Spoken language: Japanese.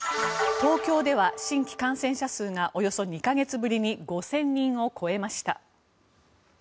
東京では新規感染者数がおよそ２か月ぶりに５０００人を超えました。